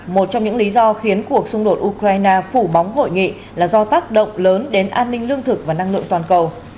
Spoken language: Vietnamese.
một trong những lý do khiến cuộc xung đột ukraine phủ bóng hội nghị là do tác động lớn đến an ninh lương thực và năng lượng toàn cầu